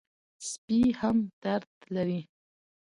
سپي هم درد لري.